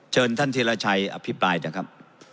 เชิญท่านธีรชัยอภิปรายเถอะครับ